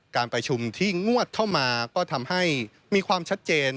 การประชุมที่งวดเข้ามาก็ทำให้มีความชัดเจน